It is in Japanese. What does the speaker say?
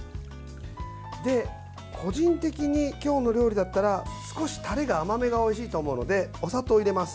個人的に今日の料理だったら少しタレが甘めがおいしいと思うのでお砂糖を入れます。